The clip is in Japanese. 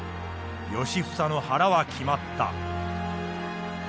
良房の腹は決まった。